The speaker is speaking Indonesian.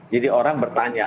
jadi orang bertanya